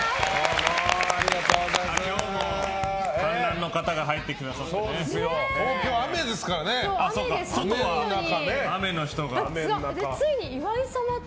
今日も観覧の方が入ってくださって。